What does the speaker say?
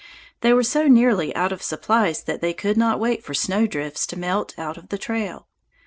They were so nearly out of supplies that they could not wait for snowdrifts to melt out of the trail.